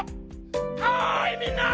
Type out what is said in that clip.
おいみんな！